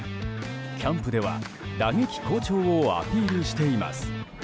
キャンプでは、打撃好調をアピールしています。